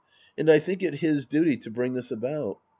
And I think it his duty to bring this about.